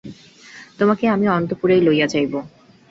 তােমাকে আমি অন্তঃপুরেই লইয়া যাইব।